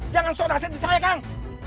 jangan sodaset di saya kang